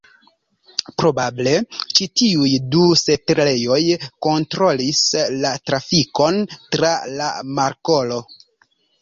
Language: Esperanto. Probable, ĉi tiuj du setlejoj kontrolis la trafikon tra la markolo.